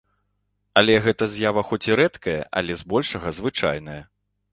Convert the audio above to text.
Але гэтая з'ява хоць і рэдкая, але збольшага звычайная.